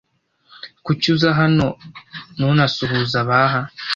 Kuki uza hano nunasuhuze abaha?